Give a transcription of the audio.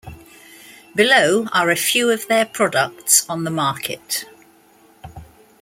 Below are a few of their products on the market.